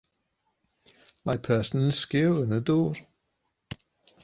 Mae person yn sgïo yn y dŵr